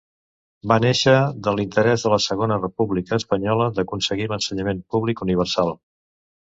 Va néixer de l'interès de la Segona República Espanyola d'aconseguir l'ensenyament públic universal.